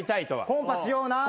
コンパしようとは。